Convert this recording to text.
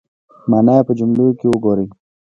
مانا یې په جملو کې وګورئ